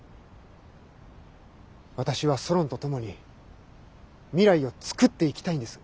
私はソロンと共に未来を創っていきたいんです。